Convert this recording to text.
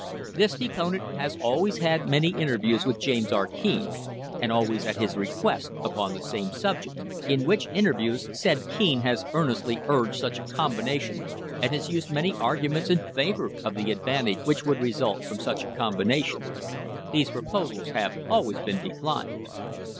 This deponent has also had many interviews with James R. Keene, and always at his request, upon the same subject, in which interviews said Keene has earnestly urged such a combination and has used many arguments in favour of the advantage which would result from such a combination. These proposals have always been declined."